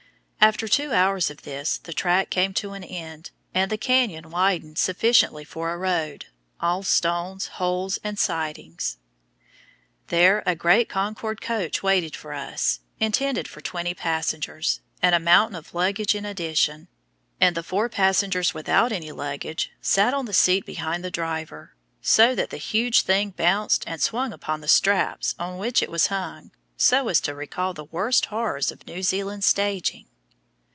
After two hours of this, the track came to an end, and the canyon widened sufficiently for a road, all stones, holes, and sidings. There a great "Concord coach" waited for us, intended for twenty passengers, and a mountain of luggage in addition, and the four passengers without any luggage sat on the seat behind the driver, so that the huge thing bounced and swung upon the straps on which it was hung so as to recall the worst horrors of New Zealand staging.